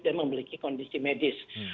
dan memiliki kondisi medis